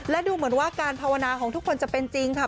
และดูเหมือนว่าการภาวนาของทุกคนจะเป็นจริงค่ะ